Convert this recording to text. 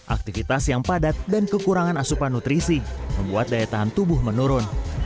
aktivitas yang padat dan kekurangan asupan nutrisi membuat daya tahan tubuh menurun